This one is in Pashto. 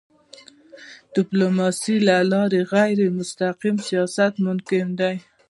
د ډيپلوماسی له لارې غیرمستقیم سیاست ممکن دی.